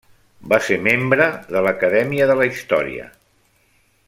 Va ser membre de l'Acadèmia de la Història.